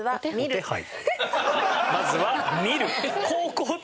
「まずは見る」。